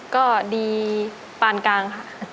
ก็ดีปานกลางค่ะ